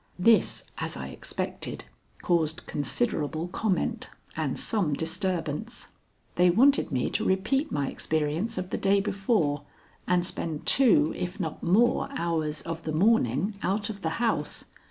This, as I expected, caused considerable comment and some disturbance. They wanted me to repeat my experience of the day before and spend two if not more hours of the morning out of the house.